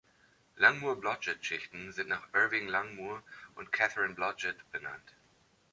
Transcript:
Langmuir-Blodgett-Schichten sind nach Irving Langmuir und Katherine Blodgett benannt.